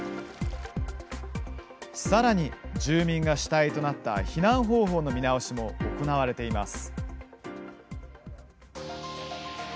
さらに、住民が主体となった避難方法の見直しも行われています。